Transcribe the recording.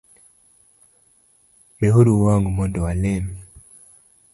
Miuru wang’ u mondo walem